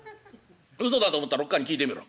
うそだと思ったらおっ母に聞いてみろ。